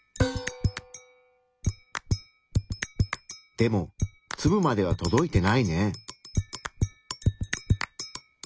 でもツブまでは届いてないね。